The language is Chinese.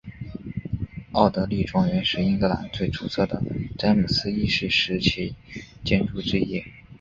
奥德莉庄园是英格兰最出色的詹姆斯一世时期建筑之一。